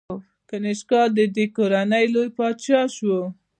کنیشکا د دې کورنۍ لوی پاچا شو